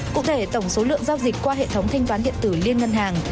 cụ thể tổng số lượng giao dịch qua hệ thống thanh toán điện tử liên ngân hàng